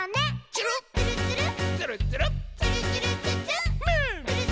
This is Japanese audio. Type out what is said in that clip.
「つるっつる」「つるっつる」「つるっつるっつっつっ」